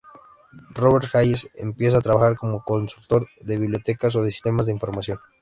Robert Hayes empieza a trabajar como consultor de bibliotecas o de sistemas de información.